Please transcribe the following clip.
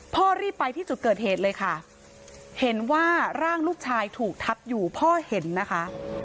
รีบไปที่จุดเกิดเหตุเลยค่ะเห็นว่าร่างลูกชายถูกทับอยู่พ่อเห็นนะคะ